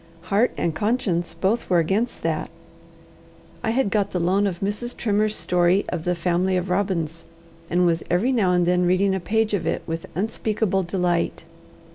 Heart and conscience both were against that. I had got the loan of Mrs. Trimmer's story of the family of Robins, and was every now and then reading a page of it with unspeakable delight.